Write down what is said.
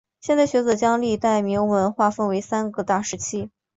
现代学者将历代铭文划分为三个大时期。